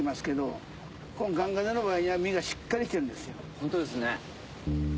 ホントですね。